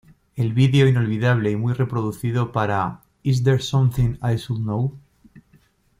El video inolvidable y muy reproducido para "Is There Something I Should Know?